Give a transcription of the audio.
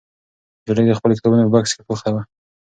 نجلۍ د خپلو کتابونو په بکس بوخته وه.